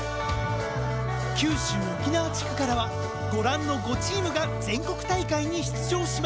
九州沖縄地区からはご覧の５チームが全国大会に出場します。